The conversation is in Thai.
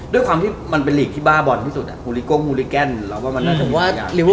ด้วยความที่มันเป็นลีกที่บ้าบอลที่สุดมูลิก้งมูลิแก้นเราว่ามันน่าจะมีประหยาด